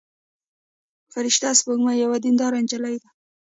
فرشته سپوږمۍ یوه دينداره نجلۍ ده.